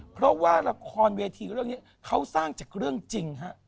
เพราะว่าละครเวทีเรื่องนี้เขาสร้างจากเรื่องจริงฮะ